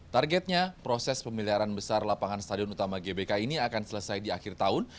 targetnya proses pemeliharaan besar lapangan stadion utama gbk ini akan selesai di akhir tahun